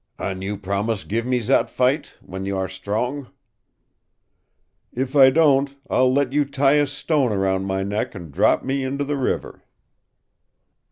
"An' you promise give me zat fight, w'en you are strong?" "If I don't, I'll let you tie a stone around my neck and drop me into the river."